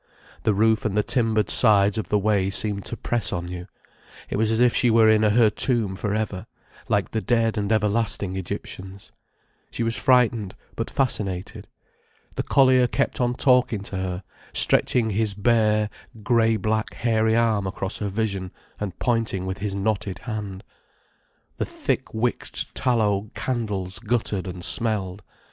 The roof and the timbered sides of the way seemed to press on you. It was as if she were in her tomb for ever, like the dead and everlasting Egyptians. She was frightened, but fascinated. The collier kept on talking to her, stretching his bare, grey black hairy arm across her vision, and pointing with his knotted hand. The thick wicked tallow candles guttered and smelled.